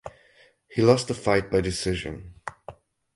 He lost the fight by decision.